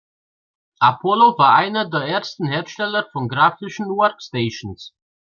Apollo war einer der ersten Hersteller von grafischen Workstations.